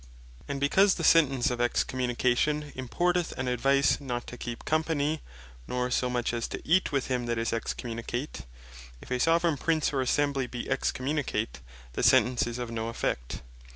And because the sentence of Excommunication, importeth an advice, not to keep company, nor so much as to eat with him that is Excommunicate, if a Soveraign Prince, or Assembly bee Excommunicate, the sentence is of no effect.